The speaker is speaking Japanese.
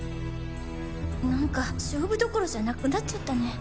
何か勝負どころじゃなくなっちゃったね。